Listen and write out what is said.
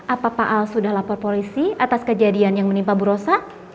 apa pak al sudah lapor polisi atas kejadian yang menimpa bu rosa